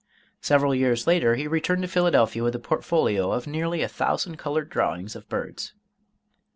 Several years later he returned to Philadelphia with a portfolio of nearly a thousand colored drawings of birds.